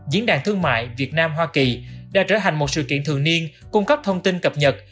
diễn đàn thương mại việt nam hoa kỳ đã trở thành một sự kiện thường niên cung cấp thông tin cập nhật